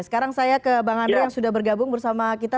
sekarang saya ke bang andre yang sudah bergabung bersama kita